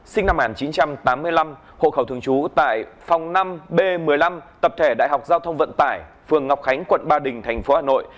sinh năm một nghìn chín trăm tám mươi năm hộ khẩu thường trú tại phòng năm b một mươi năm tập thể đại học giao thông vận tải phường ngọc khánh quận ba đình tp hà nội